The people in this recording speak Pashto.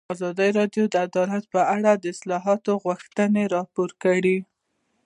ازادي راډیو د عدالت په اړه د اصلاحاتو غوښتنې راپور کړې.